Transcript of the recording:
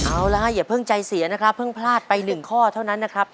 เอาละฮะอย่าเพิ่งใจเสียนะครับเพิ่งพลาดไป๑ข้อเท่านั้นนะครับ